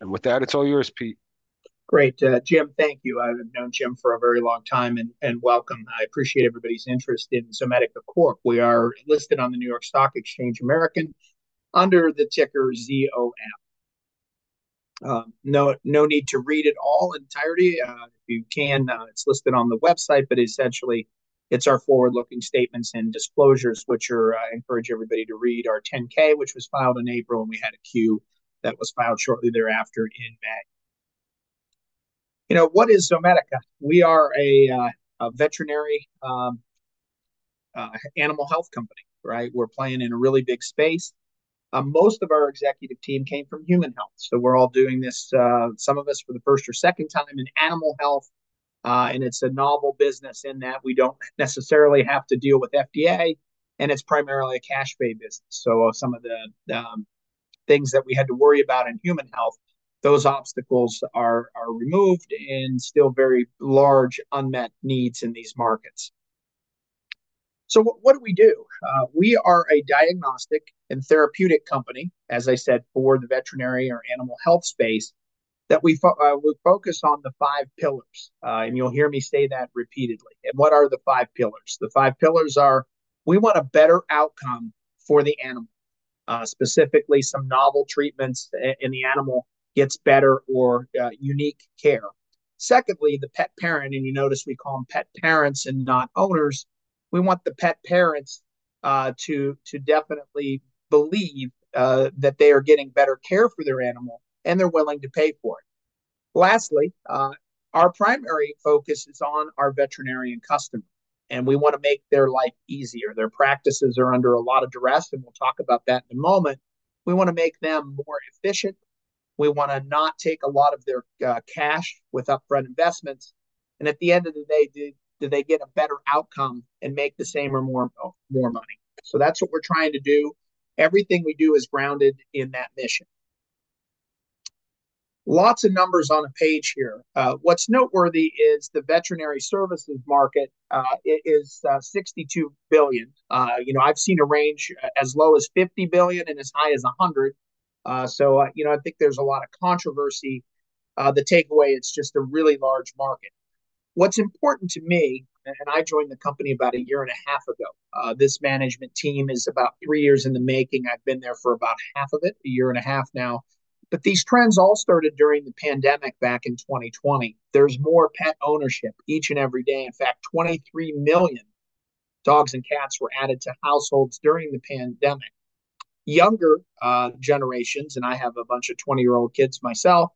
With that, it's all yours, Pete. Great. Jim, thank you. I've known Jim for a very long time, and welcome. I appreciate everybody's interest in Zomedica Corp. We are listed on the NYSE American under the ticker ZOM. No need to read it all in entirety. If you can, it's listed on the website, but essentially, it's our forward-looking statements and disclosures, which I encourage everybody to read. Our 10-K, which was filed in April, and we had a 10-Q that was filed shortly thereafter in May. You know, what is Zomedica? We are a veterinary animal health company, right? We're playing in a really big space. Most of our executive team came from human health. So we're all doing this, some of us for the first or second time in animal health, and it's a novel business in that we don't necessarily have to deal with FDA, and it's primarily a cash pay business. So some of the things that we had to worry about in human health, those obstacles are removed and still very large unmet needs in these markets. So what do we do? We are a diagnostic and therapeutic company, as I said, for the veterinary or animal health space that we focus on the five pillars, and you'll hear me say that repeatedly. And what are the five pillars? The five pillars are we want a better outcome for the animal, specifically some novel treatments in the animal gets better or unique care. Secondly, the pet parent, and you notice we call them pet parents and not owners. We want the pet parents to definitely believe that they are getting better care for their animal and they're willing to pay for it. Lastly, our primary focus is on our veterinarian customer, and we want to make their life easier. Their practices are under a lot of duress, and we'll talk about that in a moment. We want to make them more efficient. We want to not take a lot of their cash with upfront investments. And at the end of the day, do they get a better outcome and make the same or more money? So that's what we're trying to do. Everything we do is grounded in that mission. Lots of numbers on a page here. What's noteworthy is the veterinary services market is $62 billion. You know, I've seen a range as low as $50 billion and as high as $100 billion. So, you know, I think there's a lot of controversy. The takeaway, it's just a really large market. What's important to me, and I joined the company about a year and a half ago. This management team is about three years in the making. I've been there for about half of it, a year and a half now. But these trends all started during the pandemic back in 2020. There's more pet ownership each and every day. In fact, 23 million dogs and cats were added to households during the pandemic. Younger generations, and I have a bunch of 20-year-old kids myself,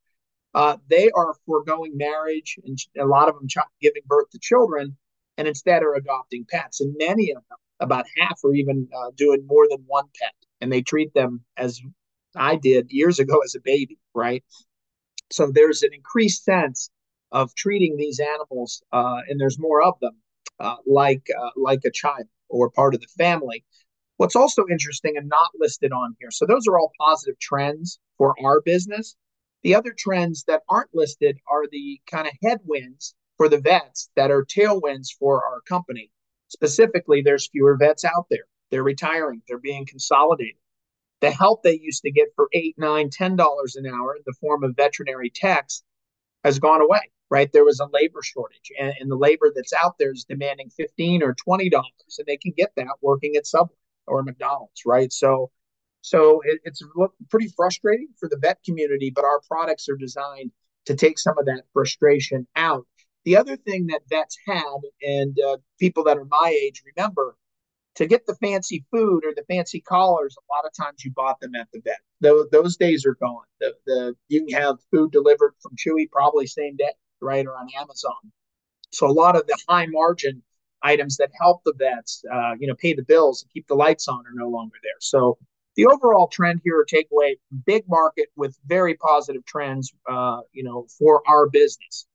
they are forgoing marriage, and a lot of them giving birth to children, and instead are adopting pets. And many of them, about half are even doing more than one pet, and they treat them as I did years ago as a baby, right? So there's an increased sense of treating these animals, and there's more of them like a child or part of the family. What's also interesting and not listed on here, so those are all positive trends for our business. The other trends that aren't listed are the kind of headwinds for the vets that are tailwinds for our company. Specifically, there's fewer vets out there. They're retiring. They're being consolidated. The help they used to get for $8, $9, $10 an hour in the form of veterinary techs has gone away, right? There was a labor shortage, and the labor that's out there is demanding $15 or $20, and they can get that working at Subway or McDonald's, right? So it's pretty frustrating for the vet community, but our products are designed to take some of that frustration out. The other thing that vets had, and people that are my age remember, to get the fancy food or the fancy collars, a lot of times you bought them at the vet. Those days are gone. You can have food delivered from Chewy, probably same day, right, or on Amazon. So a lot of the high-margin items that help the vets, you know, pay the bills and keep the lights on are no longer there. So the overall trend here or takeaway, big market with very positive trends, you know, for our business.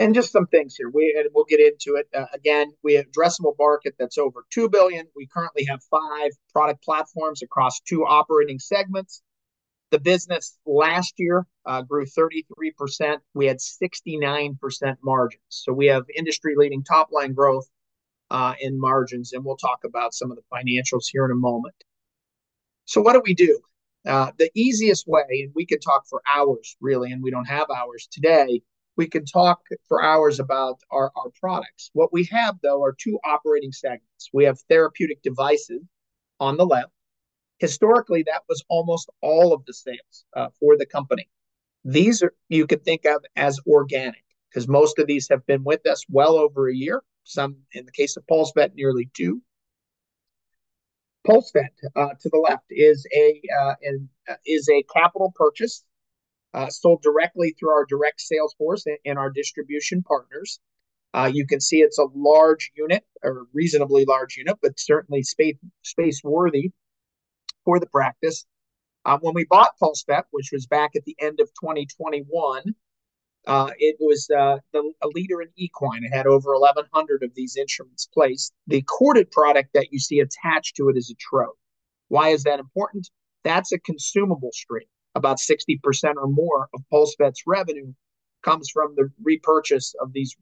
And just some things here, and we'll get into it. Again, we have addressable market that's over $2 billion. We currently have five product platforms across two operating segments. The business last year grew 33%. We had 69% margins. So we have industry-leading top-line growth in margins, and we'll talk about some of the financials here in a moment. So what do we do? The easiest way, and we could talk for hours really, and we don't have hours today, we can talk for hours about our products. What we have, though, are two operating segments. We have therapeutic devices on the left. Historically, that was almost all of the sales for the company. These you could think of as organic because most of these have been with us well over a year, some in the case of PulseVet, nearly two. PulseVet to the left is a capital purchase sold directly through our direct sales force and our distribution partners. You can see it's a large unit or reasonably large unit, but certainly space-worthy for the practice. When we bought PulseVet, which was back at the end of 2021, it was a leader in equine. It had over 1,100 of these instruments placed. The corded product that you see attached to it is an X-Trode. Why is that important? That's a consumable stream. About 60% or more of PulseVet's revenue comes from the repurchase of these,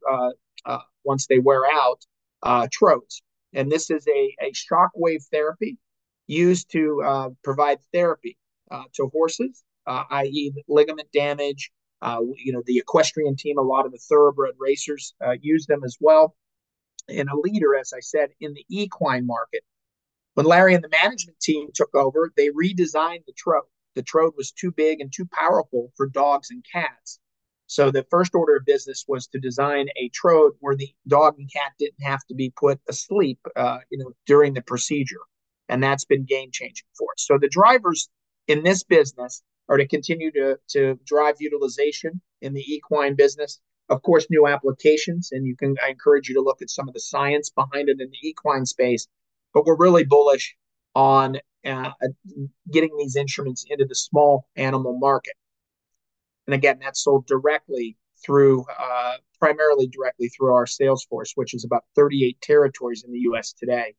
once they wear out, X-Trodes. This is a shockwave therapy used to provide therapy to horses, i.e., ligament damage. You know, the equestrian team, a lot of the Thoroughbred racers use them as well. A leader, as I said, in the equine market. When Larry and the management team took over, they redesigned the X-Trode. The X-Trode was too big and too powerful for dogs and cats. So the first order of business was to design an X-Trode where the dog and cat didn't have to be put asleep, you know, during the procedure. And that's been game-changing for us. So the drivers in this business are to continue to drive utilization in the equine business. Of course, new applications, and I encourage you to look at some of the science behind it in the equine space, but we're really bullish on getting these instruments into the small animal market. And again, that's sold directly through, primarily directly through our sales force, which is about 38 territories in the U.S. today.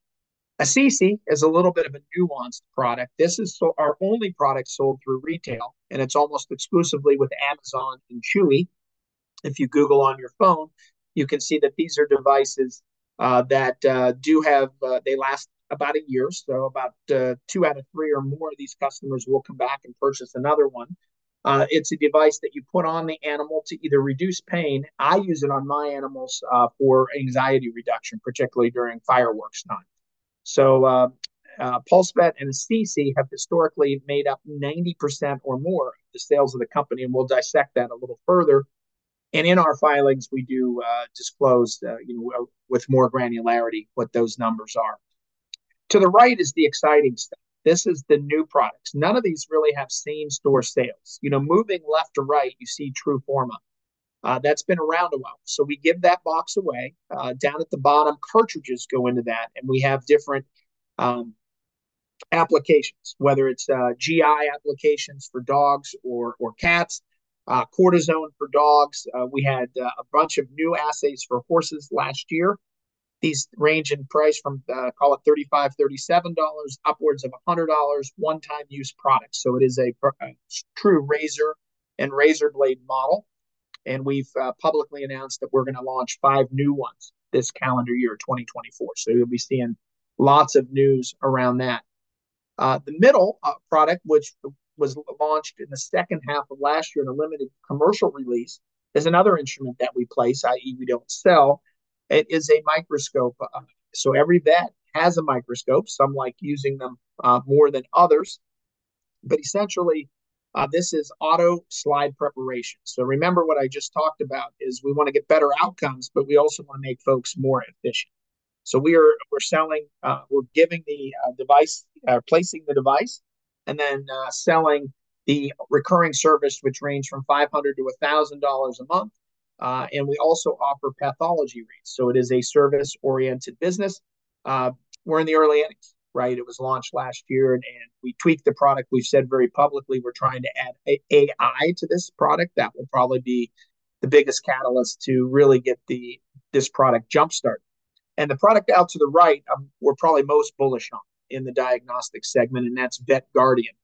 Assisi is a little bit of a nuanced product. This is our only product sold through retail, and it's almost exclusively with Amazon and Chewy. If you Google on your phone, you can see that these are devices that do have, they last about a year. So about 2 out of 3 or more of these customers will come back and purchase another one. It's a device that you put on the animal to either reduce pain. I use it on my animals for anxiety reduction, particularly during fireworks time. So PulseVet and Assisi have historically made up 90% or more of the sales of the company, and we'll dissect that a little further. And in our filings, we do disclose, you know, with more granularity what those numbers are. To the right is the exciting stuff. This is the new products. None of these really have seen store sales. You know, moving left to right, you see TRUFORMA. That's been around a while. So we give that box away. Down at the bottom, cartridges go into that, and we have different applications, whether it's GI applications for dogs or cats, ortisol for dogs. We had a bunch of new assays for horses last year. These range in price from, call it $35, $37, upwards of $100, one-time use products. So it is a true razor and razor blade model. And we've publicly announced that we're going to launch five new ones this calendar year, 2024. So you'll be seeing lots of news around that. The middle product, which was launched in the second half of last year in a limited commercial release, is another instrument that we place, i.e., we don't sell. It is a microscope. So every vet has a microscope. Some like using them more than others. But essentially, this is auto slide preparation. So remember what I just talked about is we want to get better outcomes, but we also want to make folks more efficient. So we're selling, we're giving the device, placing the device, and then selling the recurring service, which ranges from $500-$1,000 a month. We also offer pathology rates. So it is a service-oriented business. We're in the early innings, right? It was launched last year, and we tweaked the product. We've said very publicly we're trying to add AI to this product. That will probably be the biggest catalyst to really get this product jump-started. And the product out to the right, we're probably most bullish on in the diagnostic segment, and that's VetGuardian.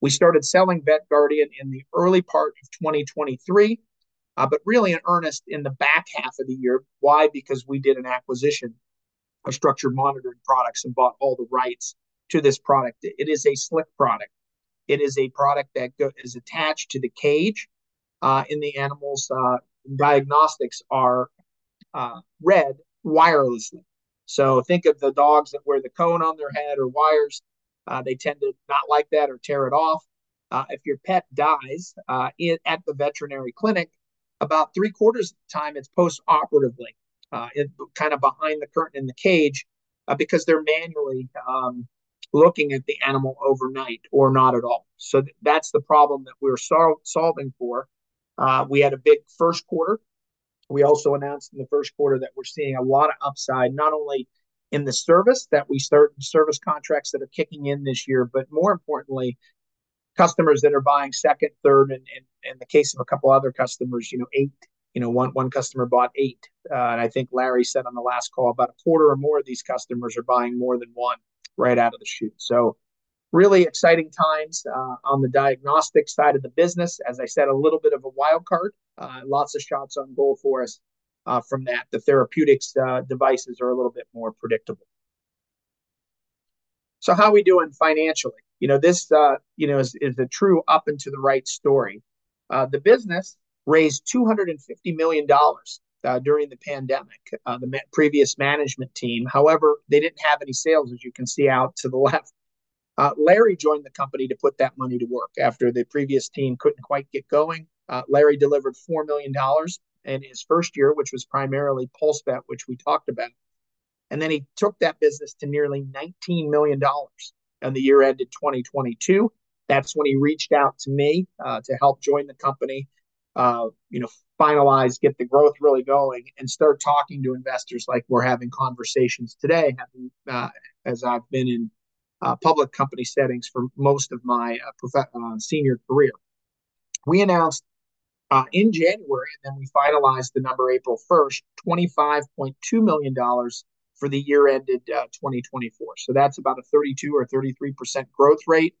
We started selling VetGuardian in the early part of 2023, but really in earnest in the back half of the year. Why? Because we did an acquisition of Structured Monitoring Products and bought all the rights to this product. It is a slick product. It is a product that is attached to the cage in the animals. Diagnostics are read wirelessly. So think of the dogs that wear the cone on their head or wires. They tend to not like that or tear it off. If your pet dies at the veterinary clinic, about three quarters of the time it's post-operatively, kind of behind the curtain in the cage because they're manually looking at the animal overnight or not at all. So that's the problem that we're solving for. We had a big first quarter. We also announced in the first quarter that we're seeing a lot of upside, not only in the service that we start in service contracts that are kicking in this year, but more importantly, customers that are buying second, third, and in the case of a couple other customers, you know, 8, you know, 1 customer bought 8. And I think Larry said on the last call about a quarter or more of these customers are buying more than one right out of the chute. So really exciting times on the diagnostic side of the business. As I said, a little bit of a wild card, lots of shots on goal for us from that. The therapeutics devices are a little bit more predictable. So how are we doing financially? You know, this, you know, is a true up and to the right story. The business raised $250 million during the pandemic, the previous management team. However, they didn't have any sales, as you can see out to the left. Larry joined the company to put that money to work. After the previous team couldn't quite get going, Larry delivered $4 million in his first year, which was primarily PulseVet, which we talked about. Then he took that business to nearly $19 million on the year-end in 2022. That's when he reached out to me to help join the company, you know, finalize, get the growth really going, and start talking to investors like we're having conversations today, as I've been in public company settings for most of my senior career. We announced in January, and then we finalized the number April 1st, $25.2 million for the year-ended 2024. So that's about a 32%-33% growth rate,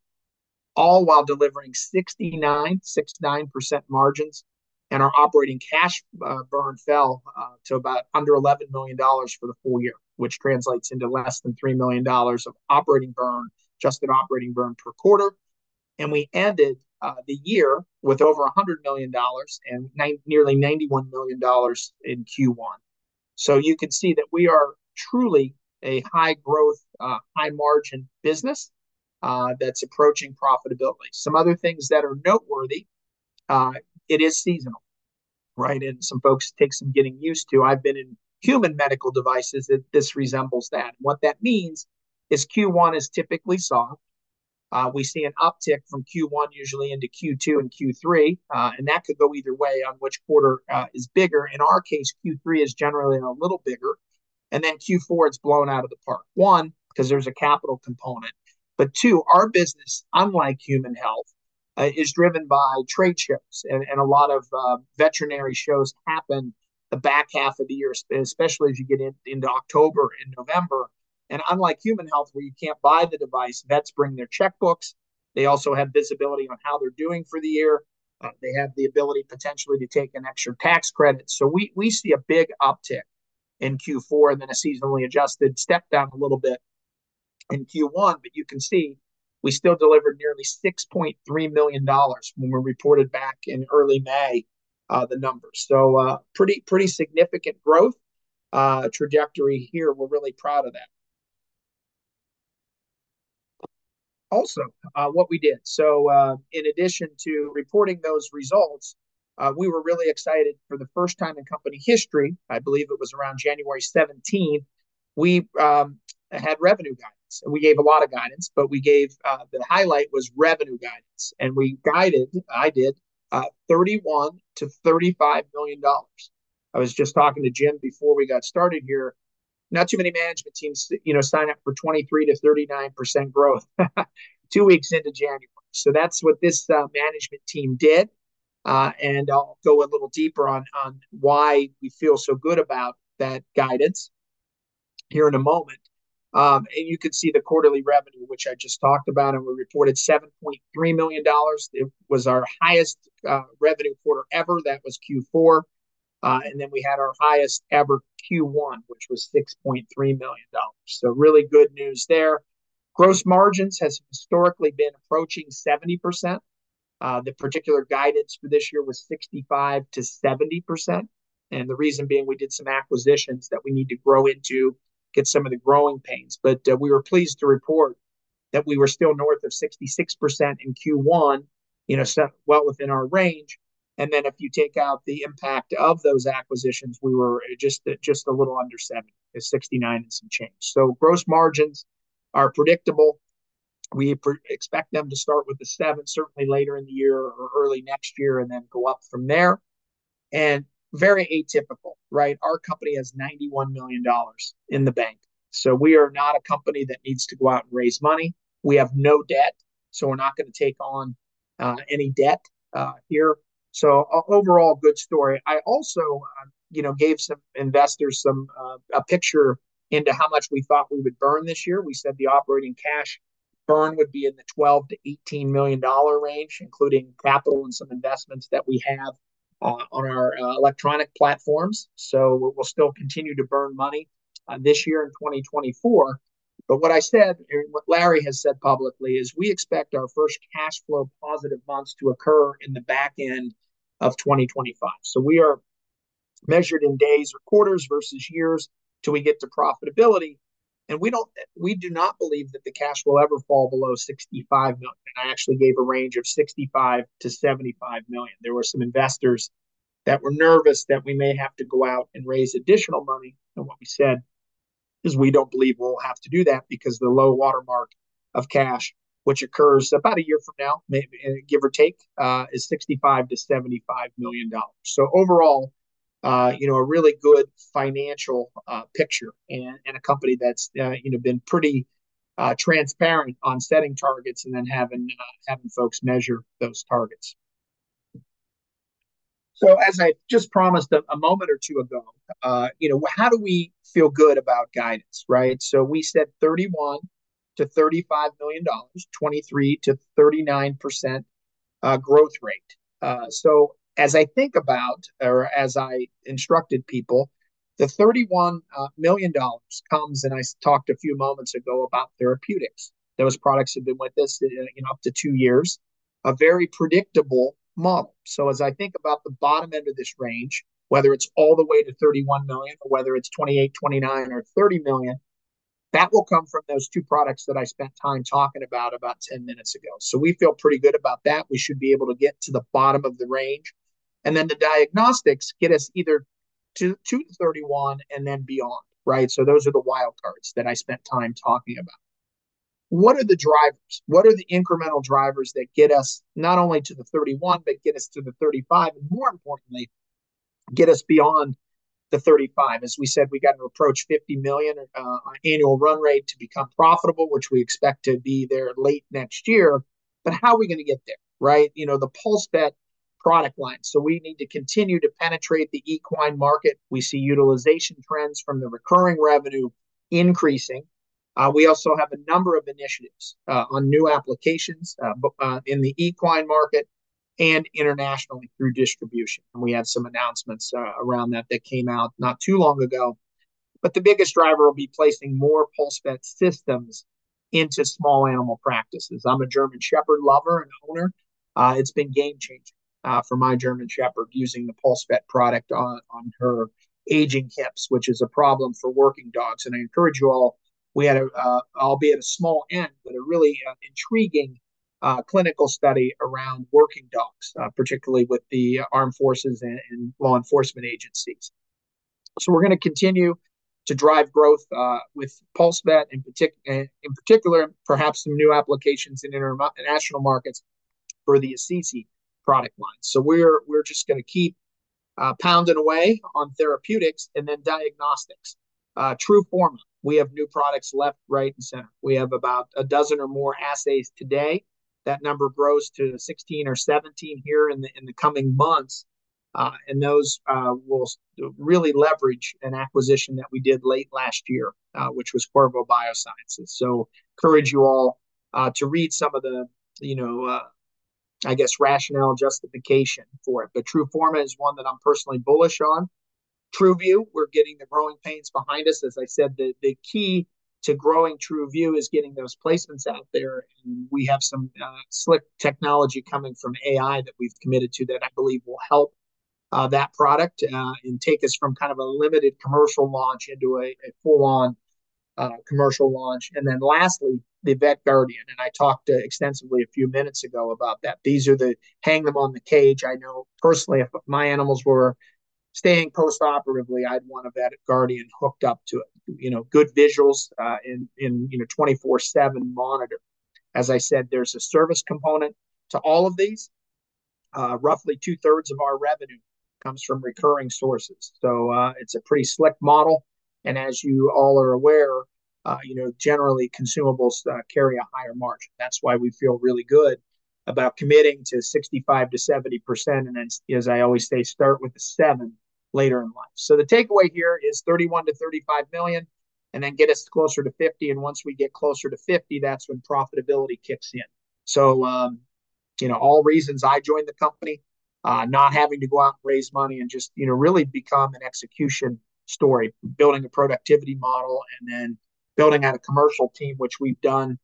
all while delivering 69%, 69% margins. Our operating cash burn fell to about under $11 million for the full year, which translates into less than $3 million of operating burn, just an operating burn per quarter. We ended the year with over $100 million and nearly $91 million in Q1. So you can see that we are truly a high-growth, high-margin business that's approaching profitability. Some other things that are noteworthy, it is seasonal, right? And some folks take some getting used to. I've been in human medical devices that this resembles that. What that means is Q1 is typically soft. We see an uptick from Q1 usually into Q2 and Q3, and that could go either way on which quarter is bigger. In our case, Q3 is generally a little bigger. And then Q4, it's blown out of the park. One, because there's a capital component. But two, our business, unlike human health, is driven by trade shows. And a lot of veterinary shows happen the back half of the year, especially as you get into October and November. And unlike human health, where you can't buy the device, vets bring their checkbooks. They also have visibility on how they're doing for the year. They have the ability potentially to take an extra tax credit. So we see a big uptick in Q4 and then a seasonally adjusted step down a little bit in Q1. But you can see we still delivered nearly $6.3 million when we reported back in early May the numbers. So pretty significant growth trajectory here. We're really proud of that. Also, what we did, so in addition to reporting those results, we were really excited for the first time in company history. I believe it was around January 17th, we had revenue guidance. And we gave a lot of guidance, but we gave the highlight was revenue guidance. And we guided, I did, $31-$35 million. I was just talking to Jim before we got started here. Not too many management teams, you know, sign up for 23%-39% growth two weeks into January. So that's what this management team did. And I'll go a little deeper on why we feel so good about that guidance here in a moment. And you can see the quarterly revenue, which I just talked about, and we reported $7.3 million. It was our highest revenue quarter ever. That was Q4. And then we had our highest ever Q1, which was $6.3 million. So really good news there. Gross margins have historically been approaching 70%. The particular guidance for this year was 65%-70%. And the reason being, we did some acquisitions that we need to grow into get some of the growing pains. But we were pleased to report that we were still north of 66% in Q1, you know, well within our range. Then if you take out the impact of those acquisitions, we were just a little under 70%, 69% and some change. So gross margins are predictable. We expect them to start with a 7, certainly later in the year or early next year, and then go up from there. And very atypical, right? Our company has $91 million in the bank. So we are not a company that needs to go out and raise money. We have no debt. So we're not going to take on any debt here. So overall, good story. I also, you know, gave some investors a picture into how much we thought we would burn this year. We said the operating cash burn would be in the $12 million-$18 million range, including capital and some investments that we have on our electronic platforms. So we'll still continue to burn money this year and 2024. But what I said, what Larry has said publicly is we expect our first cash flow positive months to occur in the back end of 2025. So we are measured in days or quarters versus years till we get to profitability. And we don't, we do not believe that the cash will ever fall below $65 million. And I actually gave a range of $65-$75 million. There were some investors that were nervous that we may have to go out and raise additional money. And what we said is we don't believe we'll have to do that because the low watermark of cash, which occurs about a year from now, give or take, is $65-$75 million. So overall, you know, a really good financial picture and a company that's, you know, been pretty transparent on setting targets and then having folks measure those targets. So as I just promised a moment or two ago, you know, how do we feel good about guidance, right? So we said $31-$35 million, 23%-39% growth rate. So as I think about, or as I instructed people, the $31 million comes, and I talked a few moments ago about therapeutics. Those products have been with us, you know, up to two years, a very predictable model. So as I think about the bottom end of this range, whether it's all the way to $31 million or whether it's $28, $29, or $30 million, that will come from those two products that I spent time talking about about 10 minutes ago. So we feel pretty good about that. We should be able to get to the bottom of the range. And then the diagnostics get us either to $31 and then beyond, right? So those are the wild cards that I spent time talking about. What are the drivers? What are the incremental drivers that get us not only to the $31, but get us to the $35, and more importantly, get us beyond the $35? As we said, we got to approach $50 million annual run rate to become profitable, which we expect to be there late next year. But how are we going to get there, right? You know, the PulseVet product line. So we need to continue to penetrate the equine market. We see utilization trends from the recurring revenue increasing. We also have a number of initiatives on new applications in the equine market and internationally through distribution. We had some announcements around that that came out not too long ago. The biggest driver will be placing more PulseVet systems into small animal practices. I'm a German Shepherd lover and owner. It's been game-changing for my German Shepherd using the PulseVet product on her aging hips, which is a problem for working dogs. I encourage you all, we had, albeit a small n, but a really intriguing clinical study around working dogs, particularly with the armed forces and law enforcement agencies. We're going to continue to drive growth with PulseVet in particular, and perhaps some new applications in international markets for the Assisi product line. We're just going to keep pounding away on therapeutics and then diagnostics. TRUFORMA. We have new products left, right, and center. We have about a dozen or more assays today. That number grows to 16 or 17 here in the coming months. And those will really leverage an acquisition that we did late last year, which was Qorvo Biotechnologies. So encourage you all to read some of the, you know, I guess, rationale and justification for it. But TRUFORMA is one that I'm personally bullish on. TRUVIEW, we're getting the growing pains behind us. As I said, the key to growing TRUVIEW is getting those placements out there. And we have some slick technology coming from AI that we've committed to that I believe will help that product and take us from kind of a limited commercial launch into a full-on commercial launch. And then lastly, the VetGuardian. And I talked extensively a few minutes ago about that. These are the hang them on the cage. I know personally, if my animals were staying post-operatively, I'd want a VetGuardian hooked up to it, you know, good visuals in, you know, 24/7 monitor. As I said, there's a service component to all of these. Roughly two-thirds of our revenue comes from recurring sources. So it's a pretty slick model. And as you all are aware, you know, generally consumables carry a higher margin. That's why we feel really good about committing to 65%-70%. And then, as I always say, start with a 7 later in life. So the takeaway here is $31 million-$35 million and then get us closer to $50 million. And once we get closer to $50 million, that's when profitability kicks in. So, you know, all reasons I joined the company, not having to go out and raise money and just, you know, really become an execution story, building a productivity model and then building out a commercial team, which we've done.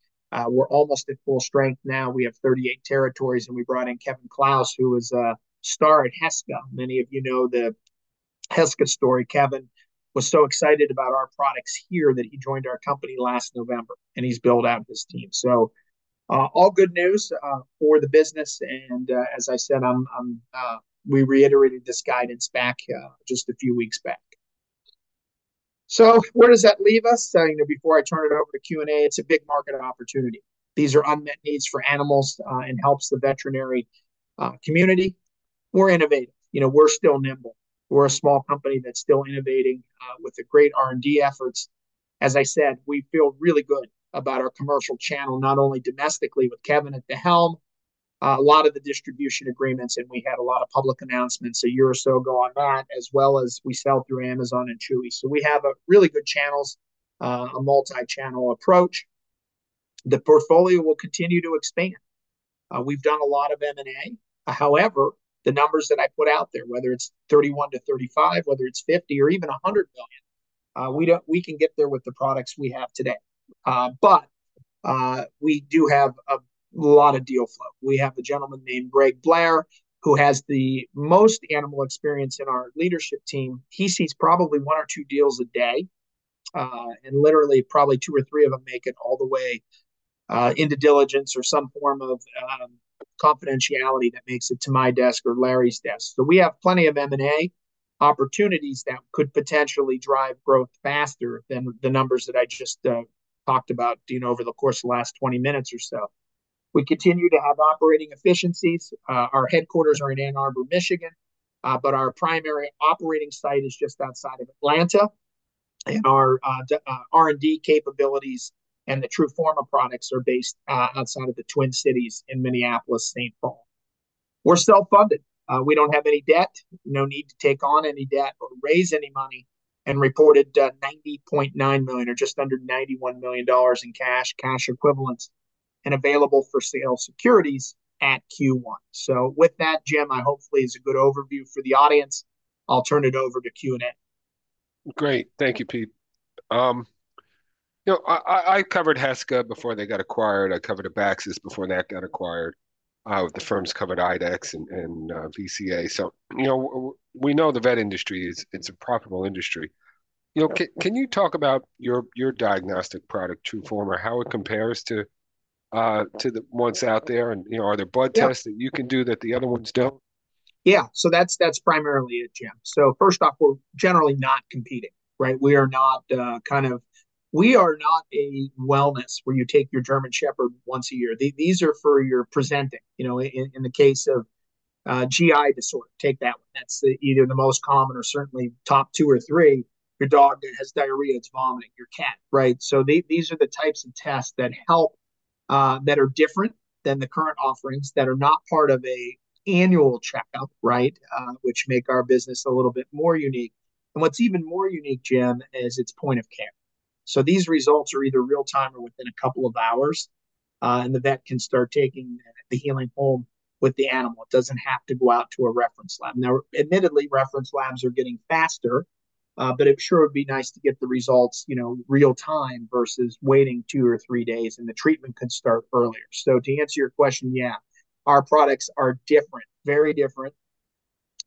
We're almost at full strength now. We have 38 territories. And we brought in Kevin Kloes, who is a star at Heska. Many of you know the Heska story. Kevin was so excited about our products here that he joined our company last November. And he's built out his team. So all good news for the business. And as I said, we reiterated this guidance back just a few weeks back. So where does that leave us? You know, before I turn it over to Q&A, it's a big market opportunity. These are unmet needs for animals and helps the veterinary community. We're innovative. You know, we're still nimble. We're a small company that's still innovating with great R&D efforts. As I said, we feel really good about our commercial channel, not only domestically with Kevin at the helm, a lot of the distribution agreements. We had a lot of public announcements a year or so ago on that, as well as we sell through Amazon and Chewy. We have really good channels, a multi-channel approach. The portfolio will continue to expand. We've done a lot of M&A. However, the numbers that I put out there, whether it's $31-$35, whether it's $50 or even $100 million, we can get there with the products we have today. But we do have a lot of deal flow. We have a gentleman named Greg Blair, who has the most animal experience in our leadership team. He sees probably one or two deals a day. Literally, probably 2 or 3 of them make it all the way into diligence or some form of confidentiality that makes it to my desk or Larry's desk. So we have plenty of M&A opportunities that could potentially drive growth faster than the numbers that I just talked about, you know, over the course of the last 20 minutes or so. We continue to have operating efficiencies. Our headquarters are in Ann Arbor, Michigan. But our primary operating site is just outside of Atlanta. And our R&D capabilities and the TRUFORMA products are based outside of the Twin Cities in Minneapolis, Saint Paul. We're self-funded. We don't have any debt, no need to take on any debt or raise any money, and reported $90.9 million or just under $91 million in cash, cash equivalents, and available for sale securities at Q1. So with that, Jim, I hope it's a good overview for the audience. I'll turn it over to Q&A. Great. Thank you, Pete. You know, I covered Heska before they got acquired. I covered Abaxis before that got acquired. I covered IDEXX and VCA. So, you know, we know the vet industry is a profitable industry. You know, can you talk about your diagnostic product, TRUFORMA, or how it compares to the ones out there? And, you know, are there blood tests that you can do that the other ones don't? Yeah. So that's primarily it, Jim. So first off, we're generally not competing, right? We are not kind of, we are not a wellness where you take your German Shepherd once a year. These are for your presenting, you know, in the case of GI disorder, take that one. That's either the most common or certainly top two or three, your dog that has diarrhea, it's vomiting, your cat, right? So these are the types of tests that help that are different than the current offerings that are not part of an annual checkup, right, which make our business a little bit more unique. And what's even more unique, Jim, is its point of care. So these results are either real-time or within a couple of hours. And the vet can start taking the healing home with the animal. It doesn't have to go out to a reference lab. Now, admittedly, reference labs are getting faster, but it sure would be nice to get the results, you know, real-time versus waiting two or three days, and the treatment could start earlier. So to answer your question, yeah, our products are different, very different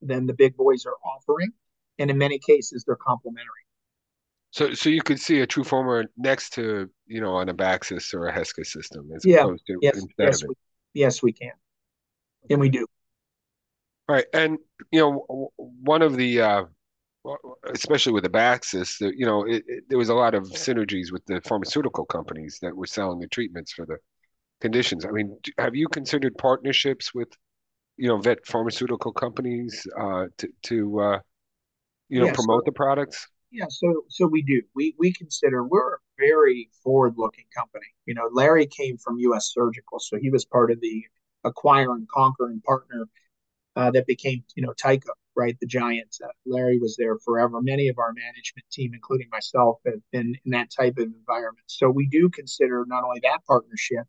than the big boys are offering. And in many cases, they're complementary. So you could see a TRUFORMA next to, you know, an Abaxis or a Heska system as opposed to instead of. Yes, we can. And we do. All right. And, you know, one of the, especially with Abaxis, you know, there was a lot of synergies with the pharmaceutical companies that were selling the treatments for the conditions. I mean, have you considered partnerships with, you know, vet pharmaceutical companies to, you know, promote the products? Yeah. So we do. We consider, we're a very forward-looking company. You know, Larry came from U.S. Surgical, so he was part of the acquiring conquering partner that became, you know, Tyco, right, the giant. Larry was there forever. Many of our management team, including myself, have been in that type of environment. So we do consider not only that partnership,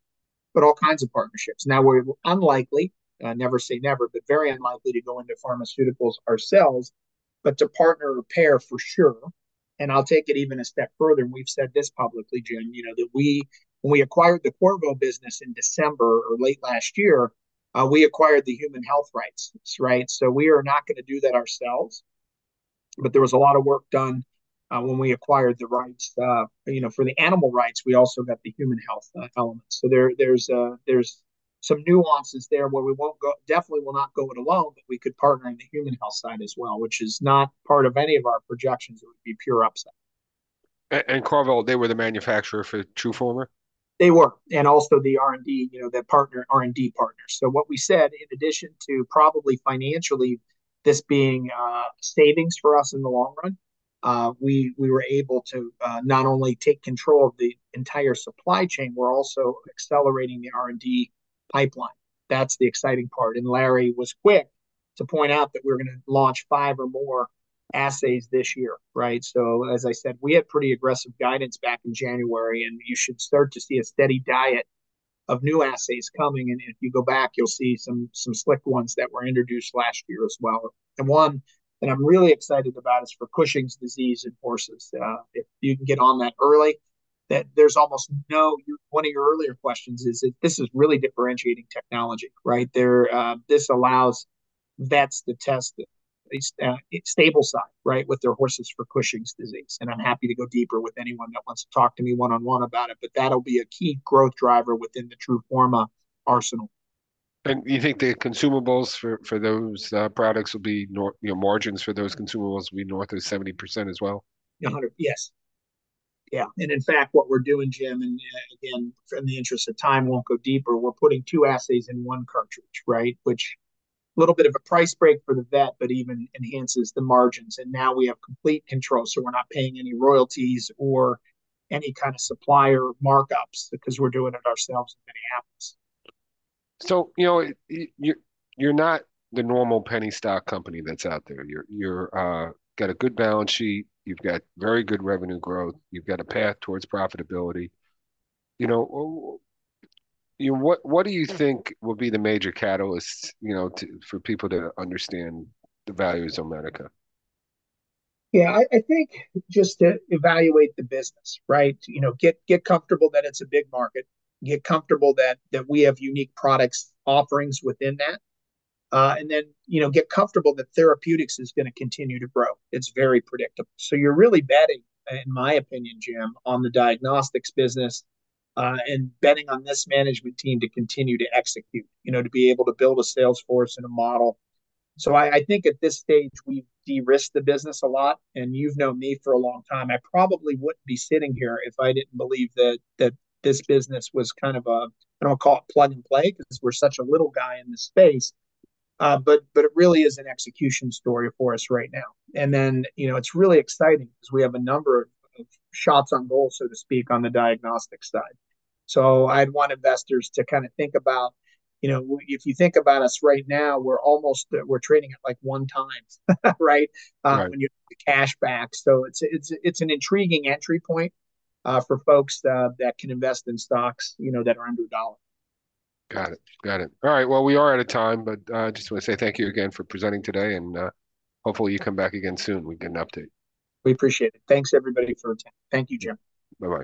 but all kinds of partnerships. Now, we're unlikely, never say never, but very unlikely to go into pharmaceuticals ourselves, but to partner or pair for sure. I'll take it even a step further. We've said this publicly, Jim, you know, that when we acquired the Qorvo business in December or late last year, we acquired the human health rights, right? So we are not going to do that ourselves. But there was a lot of work done when we acquired the rights, you know, for the animal rights. We also got the human health element. So there's some nuances there where we won't go, definitely will not go it alone, but we could partner on the human health side as well, which is not part of any of our projections that would be pure upside. Qorvo, they were the manufacturer for TRUFORMA? They were. Also the R&D, you know, the partner R&D partners. So what we said, in addition to probably financially this being savings for us in the long run, we were able to not only take control of the entire supply chain, we're also accelerating the R&D pipeline. That's the exciting part. And Larry was quick to point out that we're going to launch 5 or more assays this year, right? So as I said, we had pretty aggressive guidance back in January, and you should start to see a steady diet of new assays coming. And if you go back, you'll see some slick ones that were introduced last year as well. And one that I'm really excited about is for Cushing's disease in horses. If you can get on that early, that there's almost no, one of your earlier questions is this is really differentiating technology, right? This allows vets to test the stable-side, right, with their horses for Cushing's disease. And I'm happy to go deeper with anyone that wants to talk to me one-on-one about it, but that'll be a key growth driver within the TRUFORMA arsenal. And you think the consumables for those products will be, you know, margins for those consumables will be north of 70% as well? Yeah, 100%. Yes. Yeah. And in fact, what we're doing, Jim, and again, in the interest of time, won't go deeper, we're putting two assays in one cartridge, right, which a little bit of a price break for the vet, but even enhances the margins. And now we have complete control. So we're not paying any royalties or any kind of supplier markups because we're doing it ourselves in Minneapolis. So, you know, you're not the normal penny stock company that's out there. You've got a good balance sheet. You've got very good revenue growth. You've got a path towards profitability. You know, what do you think will be the major catalysts, you know, for people to understand the value of Zomedica? Yeah, I think just to evaluate the business, right? You know, get comfortable that it's a big market. Get comfortable that we have unique products, offerings within that. And then, you know, get comfortable that therapeutics is going to continue to grow. It's very predictable. So you're really betting, in my opinion, Jim, on the diagnostics business and betting on this management team to continue to execute, you know, to be able to build a salesforce and a model. So I think at this stage, we've de-risked the business a lot. And you've known me for a long time. I probably wouldn't be sitting here if I didn't believe that this business was kind of a, I don't want to call it plug and play because we're such a little guy in the space. But it really is an execution story for us right now. And then, you know, it's really exciting because we have a number of shots on goal, so to speak, on the diagnostic side. So I'd want investors to kind of think about, you know, if you think about us right now, we're almost, we're trading at like 1x, right? When you cash back. So it's an intriguing entry point for folks that can invest in stocks, you know, that are under $1. Got it. Got it. All right. Well, we are out of time, but I just want to say thank you again for presenting today. And hopefully you come back again soon. We get an update. We appreciate it. Thanks, everybody, for attending. Thank you, Jim. Bye-bye.